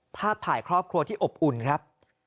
ภาพถ่ายครอบครัวที่อบอุ่นครับ